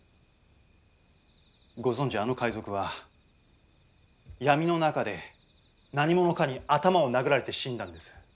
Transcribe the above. ご存じあの海賊は闇の中で何者かに頭を殴られて死んだんです。